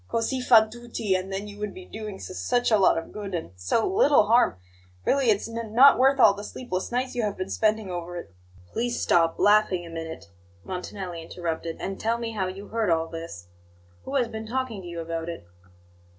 'Cosi fan tutti;' and then you would be doing s such a lot of good, and so l little harm! Really, it's n not worth all the sleepless nights you have been spending over it!" "Please stop laughing a minute," Montanelli interrupted, "and tell me how you heard all this. Who has been talking to you about it?"